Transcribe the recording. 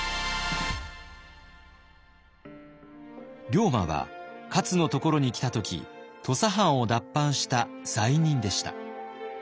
龍馬は勝のところに来た時土佐藩を脱藩した罪人でした。